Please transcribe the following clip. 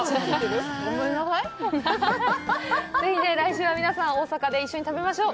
ぜひ来週は皆さん、大阪で一緒に食べましょう！